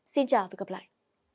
xin chào và gặp lại